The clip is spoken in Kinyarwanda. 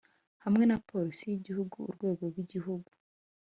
hamwe na Polisi y igihugu urwego rw igihugu